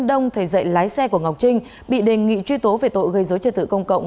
ông thầy dạy lái xe của ngọc trinh bị đề nghị truy tố về tội gây dối trị tử công cộng